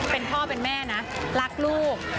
เป็นพ่อเป็นแม่นะรักลูก